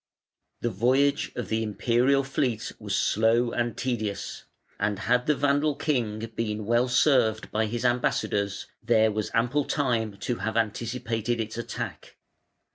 The voyage of the Imperial fleet was slow and tedious, and had the Vandal king been well served by his ambassadors there was ample time to have anticipated its attack.